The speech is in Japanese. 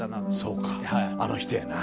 そうかあの人やな。